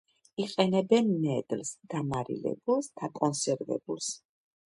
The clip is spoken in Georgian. იყენებენ ნედლს, დამარილებულს, დაკონსერვებულს.